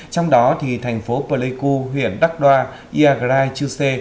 trong đó thì thành phố pleiku huyện đắc đoa iagrai chư sê